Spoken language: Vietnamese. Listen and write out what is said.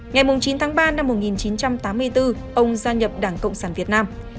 ngày chín tháng ba năm một nghìn chín trăm tám mươi bốn ông gia nhập đảng cộng sản việt nam